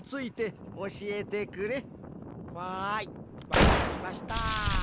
わっかりました。